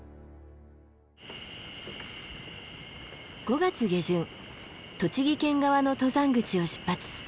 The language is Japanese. ５月下旬栃木県側の登山口を出発。